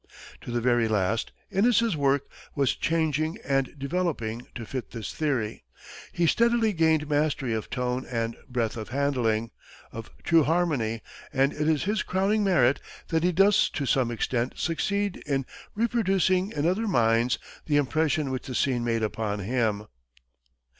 To the very last, Inness's work was changing and developing to fit this theory. He steadily gained mastery of tone and breadth of handling, of true harmony, and it is his crowning merit that he does to some extent succeed in "reproducing in other minds the impression which the scene made upon him."